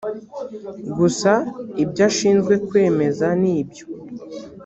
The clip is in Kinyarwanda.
gusa ibyo ashinzwe kwemeza n ibyo